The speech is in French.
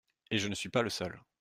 Et je ne suis pas le seul.